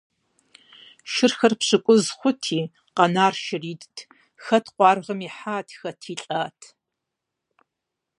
Шырхэр пщыкӀуз хъурти, къэнар шыритӀт - хэт къуаргъым ихьат, хэти лӀат.